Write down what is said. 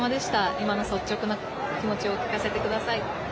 今の率直な気持ちを聞かせてください。